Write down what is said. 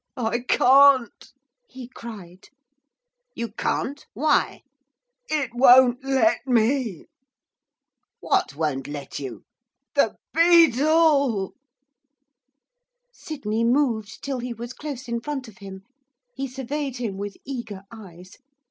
'I can't!' he cried. 'You can't! Why?' 'It won't let me.' 'What won't let you?' 'The Beetle!' Sydney moved till he was close in front of him. He surveyed him with eager eyes.